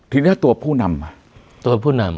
ทีนี้ตัวผู้นำ